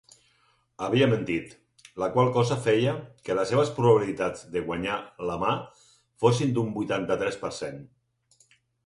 Havia mentit, la qual cosa feia que les seves probabilitats de guanyar la mà fossin d'un vuitanta-tres per cent